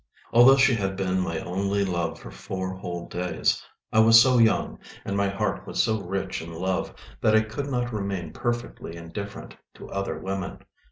Although she had been my only love for four whole days, I was so young, and my heart was so rich in love, that I could not remain perfectly indifferent to other women.